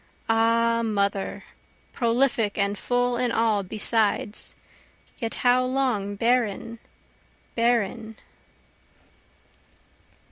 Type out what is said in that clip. Ah Mother, prolific and full in all besides, yet how long barren, barren?)